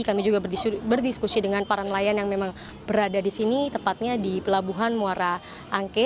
kami juga berdiskusi dengan para nelayan yang memang berada di sini tepatnya di pelabuhan muara angke